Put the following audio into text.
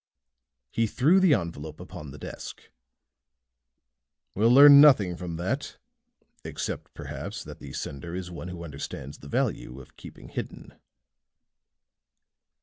He threw the envelope upon the desk. "We'll learn nothing from that, except, perhaps, that the sender is one who understands the value of keeping hidden."